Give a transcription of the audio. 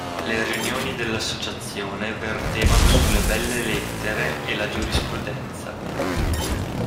Le riunioni dell'associazione vertevano sulle "belle lettere" e la giurisprudenza.